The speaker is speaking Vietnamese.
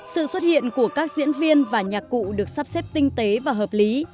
sự xuất hiện của các diễn viên và nhạc cụ được sắp xếp tinh tế và hợp lý